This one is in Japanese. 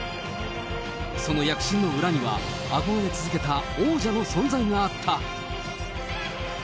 その躍進の裏には、憧れ続けた王者の存在があった。